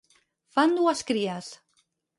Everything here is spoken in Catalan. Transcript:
Fan dues cries.